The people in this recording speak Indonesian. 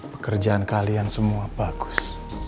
pekerjaan kalian semua bagus